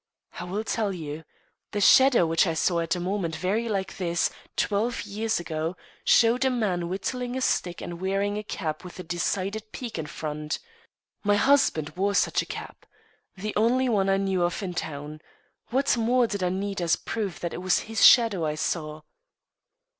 "I will tell you. The shadow which I saw at a moment very like this, twelve years ago, showed a man whittling a stick and wearing a cap with a decided peak in front. My husband wore such a cap the only one I knew of in town. What more did I need as proof that it was his shadow I saw?"